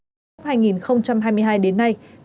tổng số tiền giao dịch của đường dây này lên đến hơn một tỷ đồng